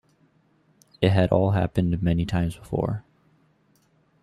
It had all happened many times before.